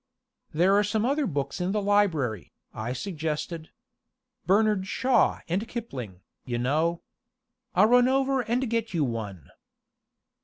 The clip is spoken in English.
"There are some other books in the library," I suggested. "Bernard Shaw and Kipling, you know. I'll run over and get you one."